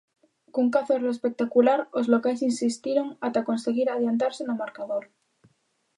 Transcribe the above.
Cun Cazorla espectacular, os locais insistiron ata conseguir adiantarse no marcador.